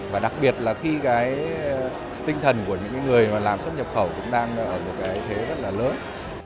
và đặc biệt là khi tinh thần của những người làm sức nhập khẩu cũng đang ở một thế rất lớn